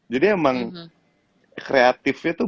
jadi emang kreatifnya tuh